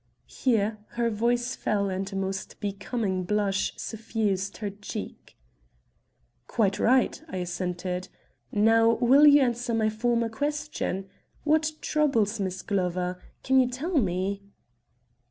Here her voice fell and a most becoming blush suffused her cheek. "Quite right," I assented. "Now will you answer my former question? What troubles Miss Glover? Can you tell me?"